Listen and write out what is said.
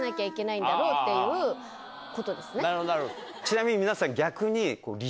ちなみに皆さん逆に。